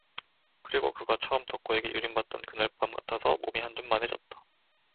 그리고 그가 처음 덕호에게 유린받던 그날 밤 같아서 몸이 한줌만해졌다.